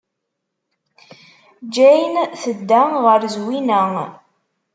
Jane tedda ɣer Zwina.